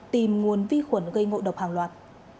tìm nguồn vi khuẩn gây ngộ độc hàng loạt